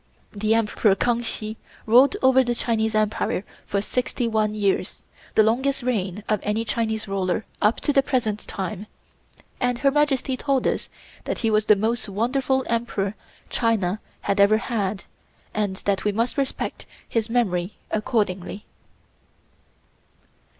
The Emperor Kang Hsi ruled over the Chinese Empire for sixty one years, the longest reign of any Chinese Ruler up to the present time, and Her Majesty told us that he was the most wonderful Emperor China had ever had and that we must respect his memory accordingly.